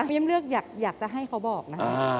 พี่ยังเลือกอยากจะให้เขาบอกนะคะ